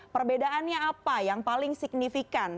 perbedaannya apa yang paling signifikan